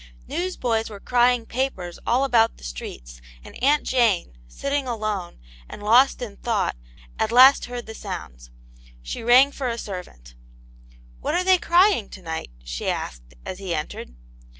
News boys were crying papers all about the streets, and Aunt Jane, sitting ^\o\\^, ^xv^ Vi%\. vcv 38 Aunt yane^s Hero. thought, at last heard the sounds. She rang for a servant. '* What are they crying, to night }" she asked, as he entered.